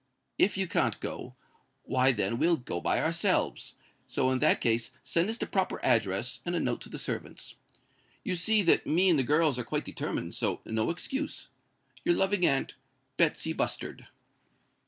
If you can't go, why then we'll go by ourselves; so in that case send us the proper address, and a note to the servants. You see that me and the girls are quite determined; so no excuse. "Your loving aunt, "BETSY BUSTARD."